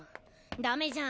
ダメじゃん。